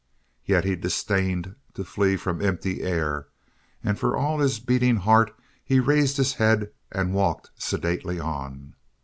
Yet he disdained to flee from empty air and for all his beating heart he raised his head and walked sedately on.